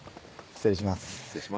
失礼します